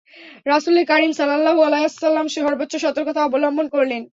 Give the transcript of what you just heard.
রাসূলে কারীম সাল্লাল্লাহু আলাইহি ওয়াসাল্লাম সর্বোচ্চ সতর্কতা অবলম্বন করলেন।